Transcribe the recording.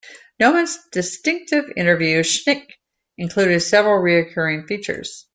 Norman's distinctive interview "shtick" included several recurring features.